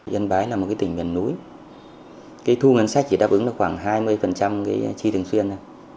nhân bái là một tỉnh biển núi thu ngân sách chỉ đáp ứng khoảng hai mươi chi thường xuyên